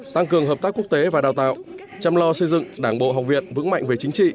tăng cường hợp tác quốc tế và đào tạo chăm lo xây dựng đảng bộ học viện vững mạnh về chính trị